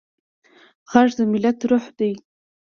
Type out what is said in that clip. غږ د ملت روح دی